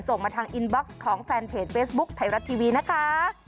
ส่งมาทางอินบ็อกซ์ของแฟนเพจเฟซบุ๊คไทยรัฐทีวีนะคะ